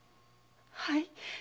はい。